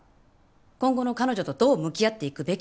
今後の彼女とどう向き合っていくべきなのか。